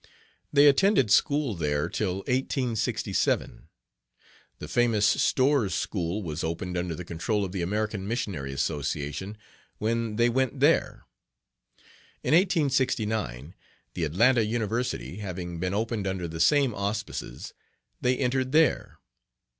They attended school there till in 1867 the famous Storrs' School was opened under the control of the American Missionary Association, when they went there. In 1869, the Atlanta University having been opened under the same auspices, they entered there.